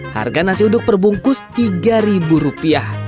harga nasi uduk perbungkus rp tiga